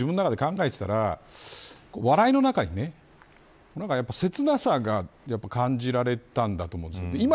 それが何かって、自分の中で考えていたら、お笑いの中にね切なさが感じられたんだと思うんです。